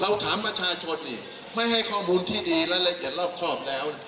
เราถามประชาชนอีกไม่ให้ข้อมูลที่ดีและละเอียดรอบครอบแล้ว